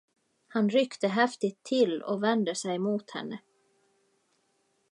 Han ryckte häftigt till och vände sig mot henne.